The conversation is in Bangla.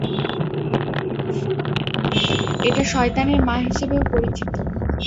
এটা শয়তানের মা হিসেবেও পরিচিত!